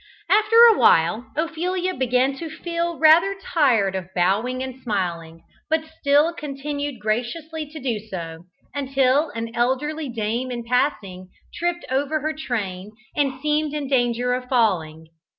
After a while, Ophelia began to feel rather tired of bowing and smiling, but still continued graciously to do so, until an elderly dame in passing, tripped over her train and seemed in danger of falling.